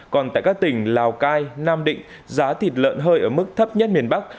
còn tại các tỉnh lào cai nam định giá thịt lợn hơi ở mức thấp nhất miền bắc